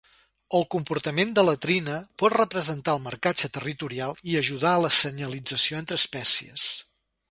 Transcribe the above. El comportament de latrina pot representar el marcatge territorial i ajudar a la senyalització entre espècies.